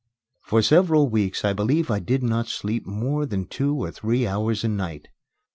For several weeks I believe I did not sleep more than two or three hours a night.